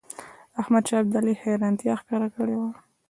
احمدشاه ابدالي حیرانیتا ښکاره کړې وه.